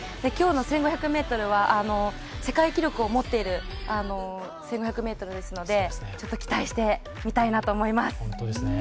今日の１５００ｍは世界記録を持っていますので、期待してみたいなと思います。